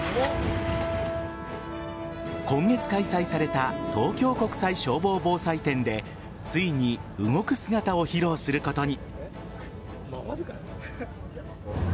今月開催された東京国際消防防災展でついに動く姿を披露することに。